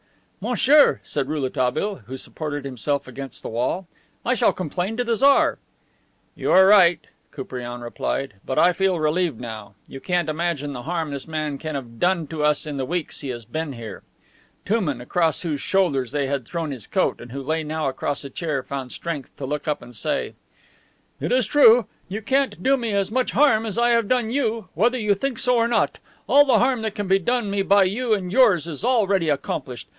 "Monsieur," said Rouletabille, who supported himself against the wall. "I shall complain to the Tsar." "You are right," Koupriane replied, "but I feel relieved now. You can't imagine the harm this man can have done to us in the weeks he has been here." Touman, across whose shoulders they had thrown his coat and who lay now across a chair, found strength to look up and say: "It is true. You can't do me as much harm as I have done you, whether you think so or not. All the harm that can be done me by you and yours is already accomplished.